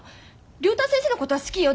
竜太先生のことは好きよ。